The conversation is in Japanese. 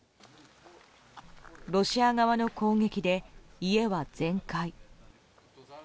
ロシア側の攻撃で、家は全壊。